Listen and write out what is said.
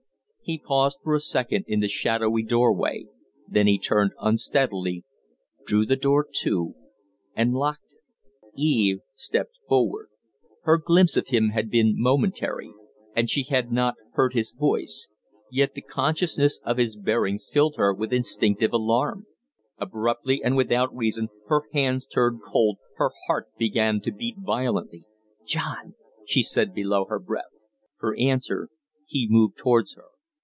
He paused for a second in the shadowy door way; then he turned unsteadily, drew the door to, and locked; it. Eve stepped forward. Her glimpse of him had been momentary and she had not heard his voice yet the consciousness of his bearing filled her with instinctive alarm. Abruptly, and without reason, their hands turned cold, her heart began to beat violently. "John " she said below her breath. For answer, he moved towards her.